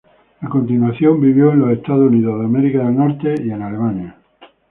A continuación vivió en los Estados Unidos y en Alemania.